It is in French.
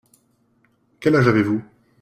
Quel âge avez-vous ?